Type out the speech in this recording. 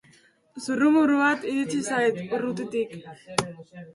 Zurrumurru bat iritsi zait, urrutitik.